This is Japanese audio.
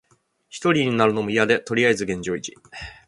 ひとりになるのもいやで、とりあえず現状維持。